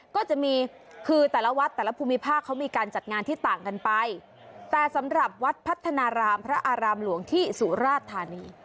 ก็จะมีคือแต่ละวัดแต่ละภูมิภาคเขามีการจัดงานที่ต่างกันไปแต่สำหรับวัดพัฒนารามพระอารามหลวงที่สุราชธานี